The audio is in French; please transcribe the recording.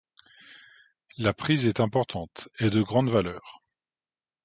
La prise est importante, et de grande valeur.